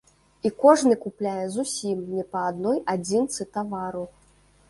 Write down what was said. І кожны купляе зусім не па адной адзінцы тавару.